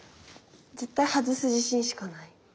絶対外す自信しかない。